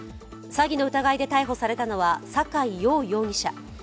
詐欺の疑いで逮捕されたのは、阪井耀容疑者。